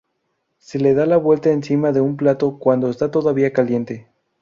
Se le da la vuelta encima de un plato cuando está todavía caliente.